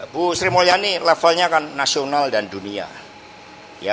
bu sri mulyani levelnya kan nasional dan dunia